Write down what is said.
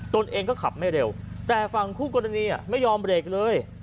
ตนเองก็ขับไม่เร็วแต่ฝั่งคู่กรณีไม่ยอมเบรกเลย